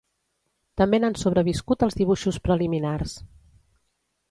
També n'han sobreviscut els dibuixos preliminars.